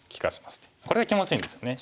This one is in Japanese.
これが気持ちいいんですよね。